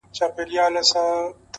عاشقانه د رباطونو په درشل زه یم”